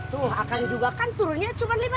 tuh akang juga kan turunnya cuma rp lima ratus